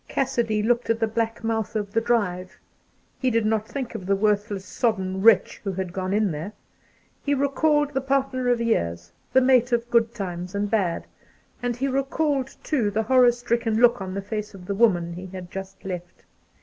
Cassidy looked at the black mouth of the drive. He did not think of the worthless sodden wretch who had gone in there. He recalled the partner of years, the mate of good times and bad, and he recalled, too, the horror stricken look on the face of the woman he had just left.